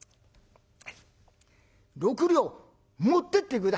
「６両持ってって下さい」。